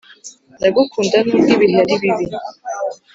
Ndakugunda nubwo ibihe aribibi